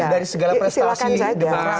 nah dari segala prestasi debat rasa tadi